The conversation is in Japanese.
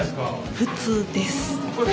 普通です。